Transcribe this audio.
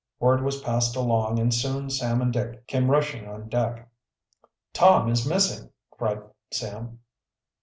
Word was passed along and soon Sam and Dick came rushing on deck. "Tom is missing!" cried Sam.